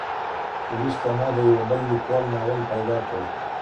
وروسته ما د يوه بل ليکوال ناول پيدا کړ.